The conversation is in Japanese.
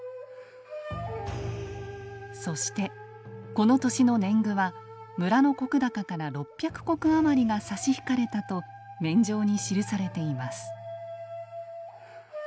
そしてこの年の年貢は村の石高から６００石余りが差し引かれたと免定に記されています。